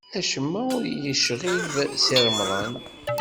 Acemma ur yecɣib Si Remḍan.